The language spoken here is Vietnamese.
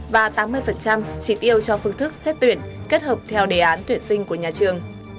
và tám mươi chỉ tiêu cho phương thức xét tuyển kết hợp theo đề án tuyển sinh của nhà trường